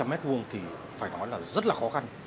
ba trăm linh mét vuông thì phải nói là rất là khó khăn